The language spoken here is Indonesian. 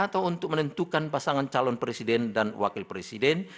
atau untuk menentukan pasangan calon presiden dan wakil presiden